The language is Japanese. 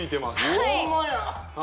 ホンマや！